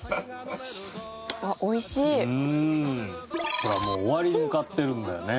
ほらもう終わりに向かってるんだよね。